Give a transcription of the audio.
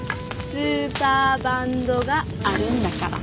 スーパーバンドがあるんだから。